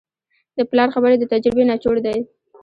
د پلار خبرې د تجربې نچوړ دی.